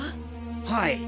はい！